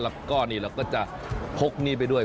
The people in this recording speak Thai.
แล้วก็นี่เราก็จะพกหนี้ไปด้วย